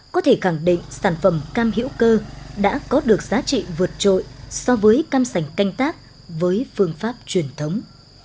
có thể khẳng định sản phẩm cam hữu cơ đã có được giá trị vượt trội so với cam sành canh tác với phương pháp truyền thống